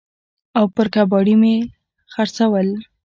او پر کباړي مې خرڅول.